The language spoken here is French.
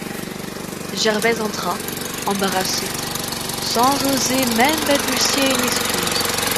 Gervaise entra, embarrassée, sans oser même balbutier une excuse.